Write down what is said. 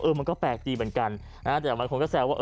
มันก็แปลกดีเหมือนกันแต่บางคนก็แซวว่า